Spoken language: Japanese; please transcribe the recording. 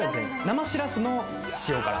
生しらすの塩辛